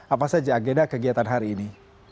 apa saja agenda kegiatan hari ini